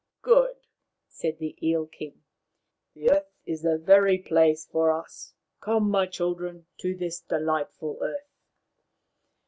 " Good !" said the Eel king. " The earth is the very place for us. Come, my children, to this delightful earth."